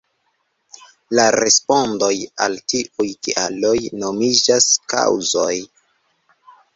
La respondoj al tiuj kialoj nomiĝas “kaŭzoj”.